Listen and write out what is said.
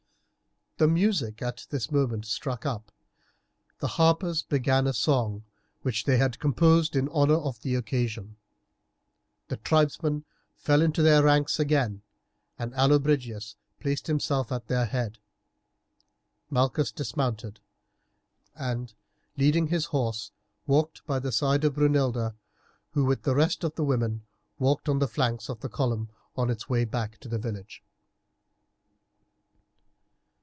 The music at this moment struck up, the harpers began a song which they had composed in honour of the occasion, the tribesmen fell into their ranks again, and Allobrigius placed himself at their head. Malchus dismounted, and, leading his horse, walked by the side of Brunilda, who, with the rest of the women, walked on the flanks of the column on its way back to the village.